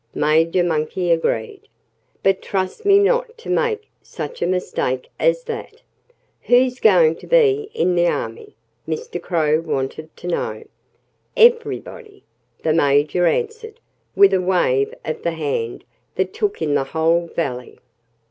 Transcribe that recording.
Major Monkey agreed. "But trust me not to make such a mistake as that." "Who's going to be in the army?" Mr. Crow wanted to know. "Everybody!" the Major answered, with a wave of the hand that took in the whole valley.